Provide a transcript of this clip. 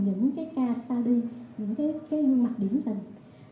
mà anh tý có một ý rất hay đó là tập trung vào những ca xa đi những mặt điểm thành